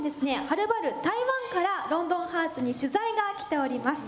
はるばる台湾から『ロンドンハーツ』に取材が来ております。